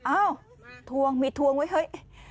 อ้าวทวงมีทวงไว้เฮ้ย